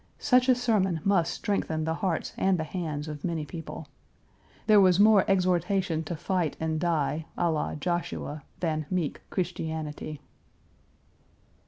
Such a sermon must strengthen the hearts and the hands of many people. There was more exhortation to fight and die, à la Joshua, than meek Christianity.